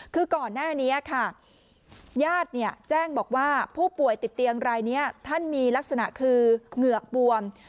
คือก่อนหน้านี้ค่ะญาติแจ้งบอกว่าผู้ป่วยติดเตียงรายนี้ท่านมีลักษณะคือเหงือกบวม